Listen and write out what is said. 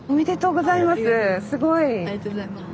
ありがとうございます。